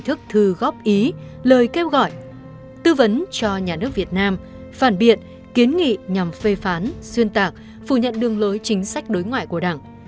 tiêu gọi tư vấn cho nhà nước việt nam phản biện kiến nghị nhằm phê phán xuyên tạc phủ nhận đường lối chính sách đối ngoại của đảng